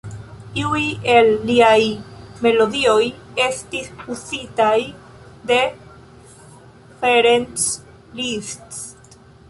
Iuj el liaj melodioj estis uzitaj de Ferenc Liszt.